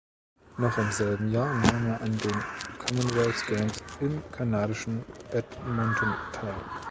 Noch im selben Jahr nahm er an den Commonwealth Games im kanadischen Edmonton teil.